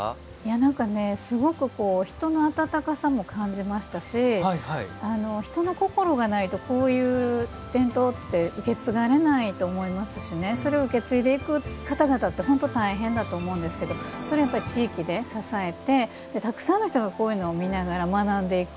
なんかすごく人の温かさも感じましたし人の心がないとこういう伝統って受け継がれないと思いますしねそれを受け継いでいく方々って本当大変だと思うんですけどそれを地域で支えてたくさんの人がこういうのを見ながら学んでいく。